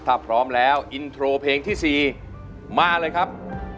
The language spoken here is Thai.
ถ้าพร้อมแล้วอินโทรเพลงที่๔มาเลยครับ